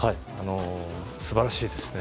すばらしいですね